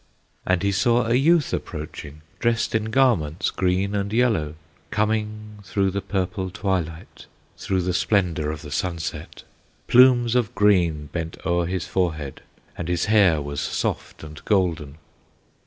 And he saw a youth approaching, Dressed in garments green and yellow, Coming through the purple twilight, Through the splendor of the sunset; Plumes of green bent o'er his forehead, And his hair was soft and golden.